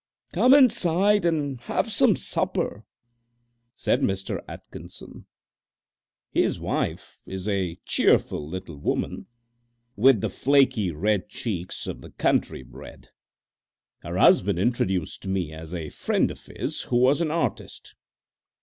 "Come inside and have some supper," said Mr. Atkinson. His wife is a cheerful little woman, with the flaky red cheeks of the country bred. Her husband introduced me as a friend of his who was an artist.